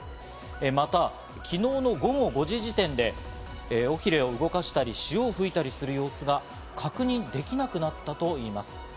また昨日の午後５時時点で、尾ひれを動かしたり、潮を吹いたりする様子が確認できなくなったといいます。